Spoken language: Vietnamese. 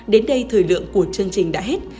đến đây thời lượng của chương trình đã hết